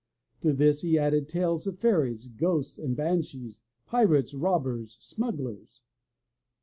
To this he added tales of fairies, ghosts and banshees, pirates, robbers, smugglers.